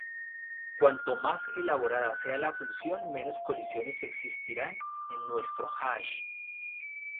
Cuanto más elaborada sea la función menos colisiones existirán en nuestro hash.